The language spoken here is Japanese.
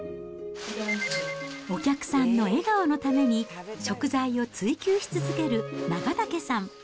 お客さんの笑顔のために、食材を追求し続ける長竹さん。